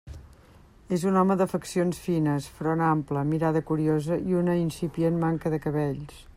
És un home de faccions fines, front ample, mirada curiosa i una incipient manca de cabells.